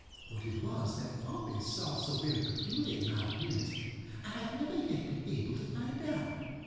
What it was that Pompey saw so very peculiar in my appearance I have never yet been able to find out.